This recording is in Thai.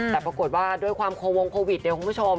แต่ปรากฏว่าด้วยความโควงโควิดเนี่ยคุณผู้ชม